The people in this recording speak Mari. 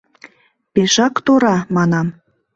«Пешак тора, — манам.